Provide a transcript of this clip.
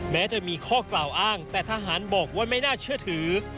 แม้จะมีข้อกล่าวอ้างแต่ทหารบอกว่าไม่น่าเชื่อถือ